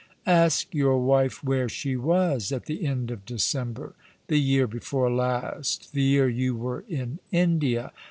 " Ask your wife where she was at the end of December, the year before last — the year you were in India.